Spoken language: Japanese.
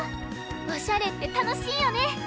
おしゃれってたのしいよね！